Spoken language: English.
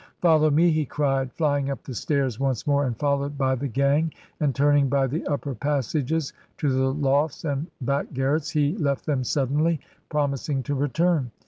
"Follow me," he cried, flying up the stairs once more and followed by the gang, and turning by the upper passages to the lofts and back gaiTets, he left them suddenly, promising to return.